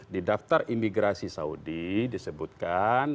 di daftar imigrasi saudi disebutkan